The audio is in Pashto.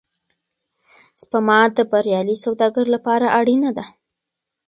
سپما د بریالي سوداګر لپاره اړینه ده.